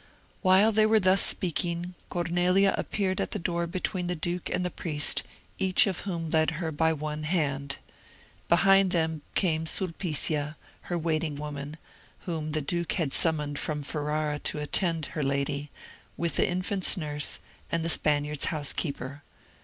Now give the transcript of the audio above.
While they were thus speaking, Cornelia appeared at the door between the duke and the priest, each of whom led her by one hand. Behind them came Sulpicia, her waiting woman, whom the duke had summoned from Ferrara to attend her lady, with the infant's nurse, and the Spaniards' housekeeper.